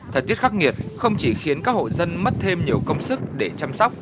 thời tiết khắc nghiệt không chỉ khiến các hộ dân mất thêm nhiều công sức để chăm sóc